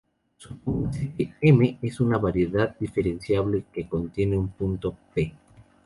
Supóngase que "M" es una variedad diferenciable que contiene un punto "p".